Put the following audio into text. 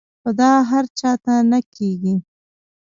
خو دا هر چاته نۀ کيږي -